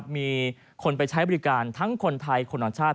มีคนไปใช้บริการทั้งคนไทยคนต่างชาติ